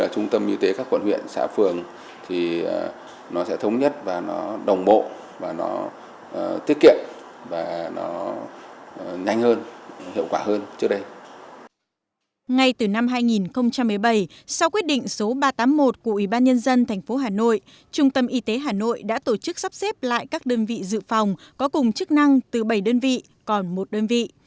trên cơ sở sát nhập sáu đơn vị sau quyết định số ba trăm tám mươi một của ubnd tp hà nội trung tâm y tế hà nội đã tổ chức sắp xếp lại các đơn vị dự phòng có cùng chức năng từ bảy đơn vị còn một đơn vị